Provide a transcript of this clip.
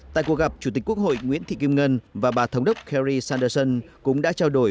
tại cuộc gặp chủ tịch quốc hội nguyễn thị kim ngân và bà thống đốc kherry sanderson cũng đã trao đổi